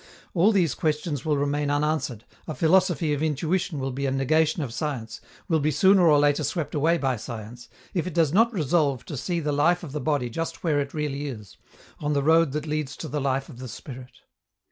All these questions will remain unanswered, a philosophy of intuition will be a negation of science, will be sooner or later swept away by science, if it does not resolve to see the life of the body just where it really is, on the road that leads to the life of the spirit.